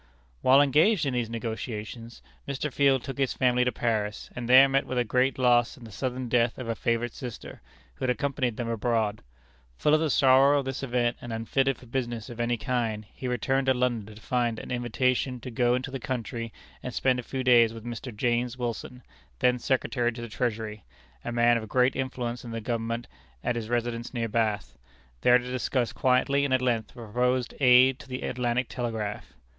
While engaged in these negotiations, Mr. Field took his family to Paris, and there met with a great loss in the sudden death of a favorite sister, who had accompanied them abroad. Full of the sorrow of this event, and unfitted for business of any kind, he returned to London to find an invitation to go into the country and spend a few days with Mr. James Wilson, then Secretary to the Treasury, a man of great influence in the Government, at his residence near Bath; there to discuss quietly and at length the proposed aid to the Atlantic Telegraph.